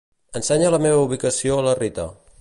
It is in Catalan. Ensenya la meva ubicació a la Rita.